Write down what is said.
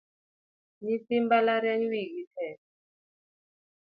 Nyithi mbalariany wigi tek